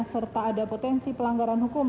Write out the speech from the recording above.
serta ada potensi pelanggaran hukum